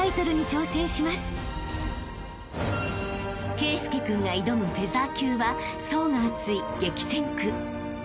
［圭佑君が挑むフェザー級は層が厚い激戦区］